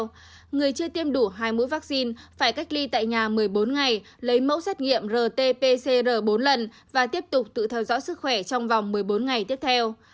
địa phương này quy định người về từ vùng đỏ và cam đã tiêm đủ liều vaccine thì phải cách ly tại nhà bảy ngày lấy mẫu xét nghiệm rt pcr bốn lần và tiếp tục tự theo dõi sức khỏe trong vòng một mươi bốn ngày tiếp theo